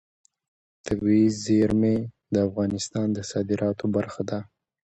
طبیعي زیرمې د افغانستان د صادراتو برخه ده.